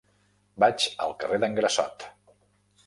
Vaig al carrer d'en Grassot.